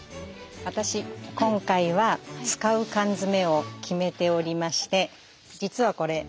私今回は使う缶詰を決めておりまして。